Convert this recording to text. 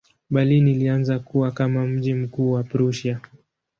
Berlin ilianza kukua kama mji mkuu wa Prussia.